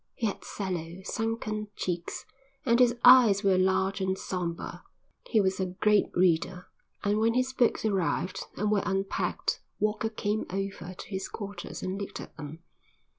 He had sallow, sunken cheeks, and his eyes were large and sombre. He was a great reader, and when his books arrived and were unpacked Walker came over to his quarters and looked at them.